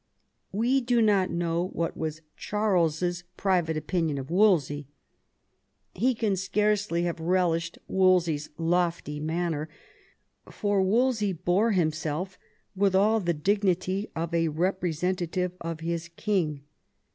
We do not know what was Charles's private opinion of Wolsey. Ho can scarcely have relished Wolsey's lofty manner, for Wolsey bore himself with all the dignity of a representative of his king.